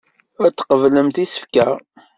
Ad tqeblemt isefka.